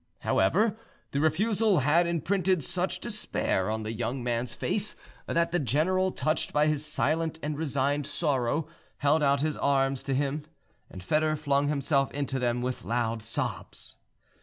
However, the refusal had imprinted such despair on the young man's face, that the general, touched by his silent and resigned sorrow, held out his arms to him. Foedor flung himself into them with loud sobs.